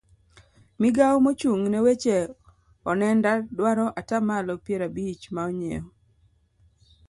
migawo mochung' ne weche onenda dwaro atamalo piero abich ma onyiew